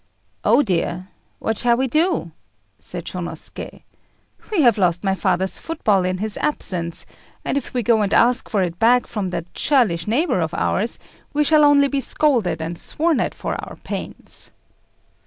"Oh, dear! what shall we do?" said Shônosuké. "We have lost my father's football in his absence; and if we go and ask for it back from that churlish neighbour of ours, we shall only be scolded and sworn at for our pains."